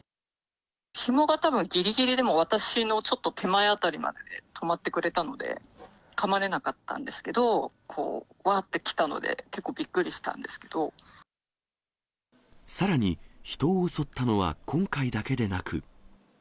ひもがたぶん、ぎりぎりで、もう私のちょっと手前辺りまでで止まってくれたので、かまれなかったんですけど、こう、わーって来たので、結構、びっくりしたんさらに、人を襲ったのは今回だけでなく。